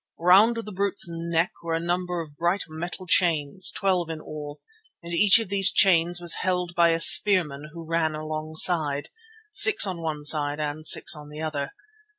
Round the brute's neck were a number of bright metal chains, twelve in all, and each of these chains was held by a spearman who ran alongside, six on one side and six on the other.